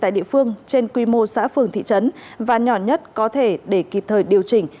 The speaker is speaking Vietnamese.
tại địa phương trên quy mô xã phường thị trấn và nhỏ nhất có thể để kịp thời điều chỉnh